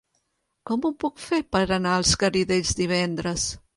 Com ho puc fer per anar als Garidells divendres?